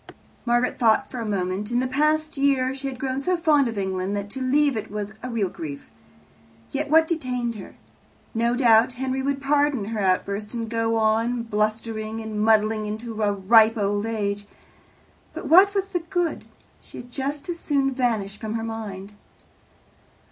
Margaret thought for a moment. In the past year she had grown so fond of England that to leave it was a real grief. Yet what detained her? No doubt Henry would pardon her outburst, and go on blustering and muddling into a ripe old age. But what was the good? She had just as soon vanish from his mind.